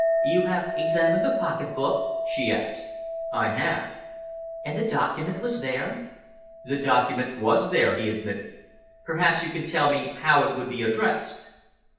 "You have examined the pocket book?" she asked. "I have." "And the document was there?" "The document was there," he admitted. "Perhaps you can tell me how it would be addressed?"